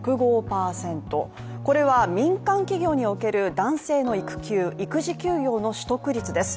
これは、民間企業における男性の育休・育児休業の取得率です。